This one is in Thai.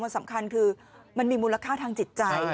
มันสำคัญคือมันมีมูลค่าทางจิตใจ